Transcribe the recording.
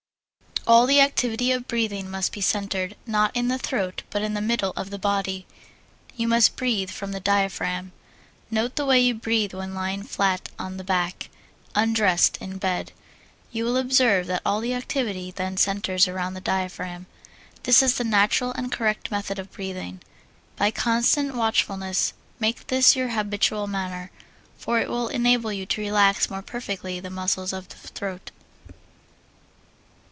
All the activity of breathing must be centered, not in the throat, but in the middle of the body you must breathe from the diaphragm. Note the way you breathe when lying flat on the back, undressed in bed. You will observe that all the activity then centers around the diaphragm. This is the natural and correct method of breathing. By constant watchfulness make this your habitual manner, for it will enable you to relax more perfectly the muscles of the throat.